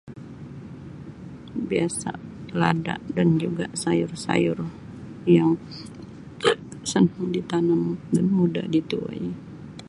Biasa lada dan juga sayur sayur yang senang di tanam dan mudah dituai.